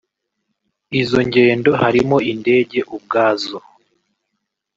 Izo ngendo harimo indege ubwazo